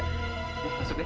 ya masuk deh